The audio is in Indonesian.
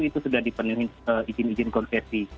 itu sudah dipenuhi izin izin konsesi